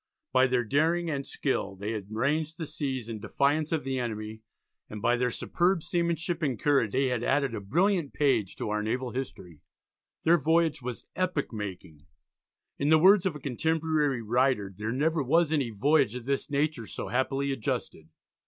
By their daring and skill they had ranged the seas in defiance of the enemy, and by their superb seamanship and courage they had added a brilliant page to our naval history. Their voyage was epoch making. In the words of a contemporary writer "there never was any voyage of this nature so happily adjusted."